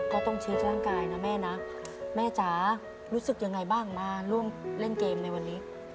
ก็ต้องเช็คร่างกายนะแม่นะแม่จ๋ารู้สึกยังไงบ้างมาร่วมเล่นเกมในวันนี้